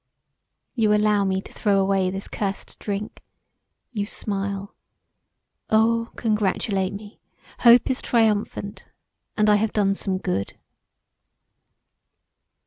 You allow me to throw away this cursed drink; you smile; oh, Congratulate me, hope is triumphant, and I have done some good."